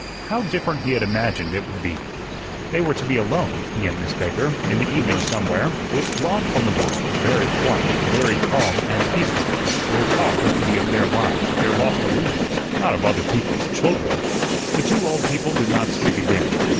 How different he had imagined it would be! They were to be alone he and Miss Baker in the evening somewhere, withdrawn from the world, very quiet, very calm and peaceful. Their talk was to be of their lives, their lost illusions, not of other people's children. The two old people did not speak again.